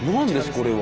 これは。